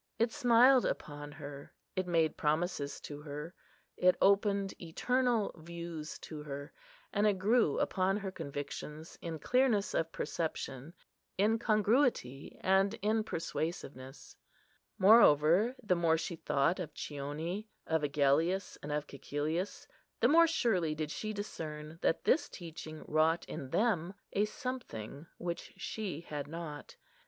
It smiled upon her; it made promises to her; it opened eternal views to her; and it grew upon her convictions in clearness of perception, in congruity, and in persuasiveness. Moreover, the more she thought of Chione, of Agellius, and of Cæcilius the more surely did she discern that this teaching wrought in them a something which she had not.